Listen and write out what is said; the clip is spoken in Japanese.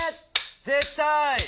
絶対！